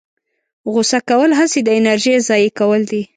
غوسه کول هسې د انرژۍ ضایع کول دي.